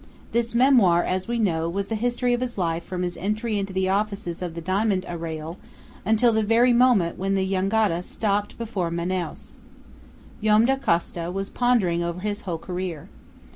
This memoir, as we know, was the history of his life from his entry into the offices of the diamond arrayal until the very moment when the jangada stopped before Manaos. Joam Dacosta was pondering over his whole career.